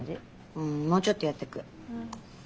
うんもうちょっとやってく。